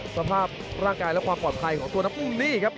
สภาพร่างกายและความปลอดภัยของตัวน้ำอุ้งนี่ครับ